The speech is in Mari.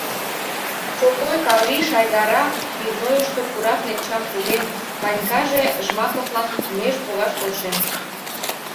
— Чопой Каври Шайгара пивнойышто пура кленчам поген, Ванькаже Жмаковлан меж погаш полшен...